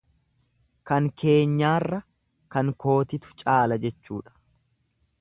Kan keenyaarra kan kootitu caala jechuudha.